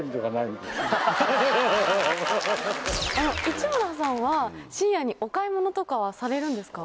市村さんは深夜にお買い物とかはされるんですか？